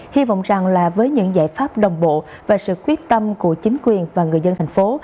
hy vọng rằng là với những giải pháp đồng bộ và sự quyết tâm của chính quyền và người dân thành phố